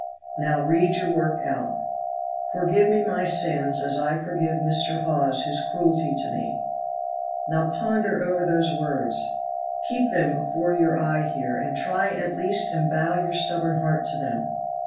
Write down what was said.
"Now read your work out." "'Forgive me my sins as I forgive Mr. Hawes his cruelty to me.'" "Now ponder over those words. Keep them before your eye here, and try at least and bow your stubborn heart to them.